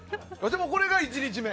でも、これが１日目。